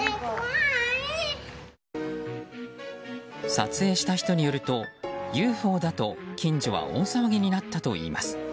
撮影した人によるとＵＦＯだと近所は大騒ぎになったといいます。